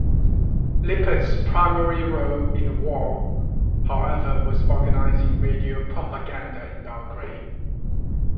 Lippert's primary role in the war, however, was organizing radio propaganda in Belgrade.